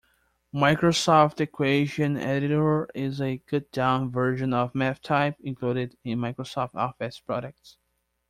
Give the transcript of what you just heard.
Microsoft Equation Editor is a cut-down version of MathType included in Microsoft Office products.